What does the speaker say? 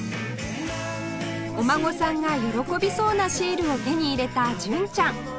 お孫さんが喜びそうなシールを手に入れた純ちゃん